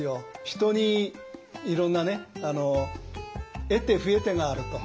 人にいろんなね得手不得手があると。